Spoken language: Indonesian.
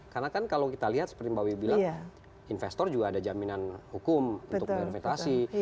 karena kan kalau kita lihat seperti mbak wibi bilang investor juga ada jaminan hukum untuk pengeritasi